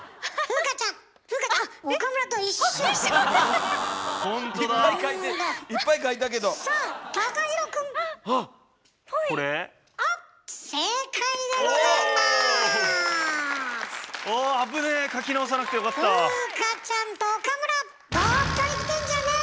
風花ちゃんと岡村！